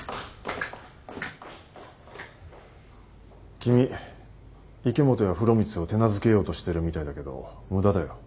君池本や風呂光を手なずけようとしてるみたいだけど無駄だよ。